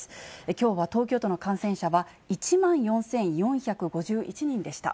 きょうは東京都の感染者は１万４４５１人でした。